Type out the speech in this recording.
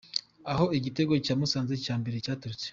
Aho igitego cya Musanze cya mbere cyaturutse .